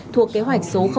thuộc kế hoạch số hai